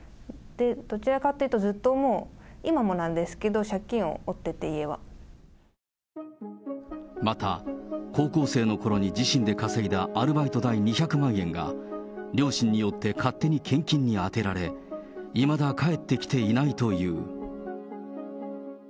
どちらかというと、ずっともう、今もなんですけど、また、高校生のころに自身で稼いだアルバイト代２００万円が、両親によって勝手に献金に充てられ、いまだ返ってきていないという。